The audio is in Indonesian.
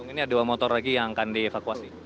ini ada dua motor lagi yang akan dievakuasi